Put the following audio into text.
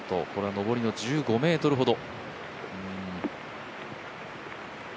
上りの１５ｍほど。